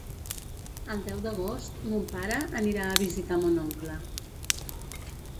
El deu d'agost mon pare anirà a visitar mon oncle.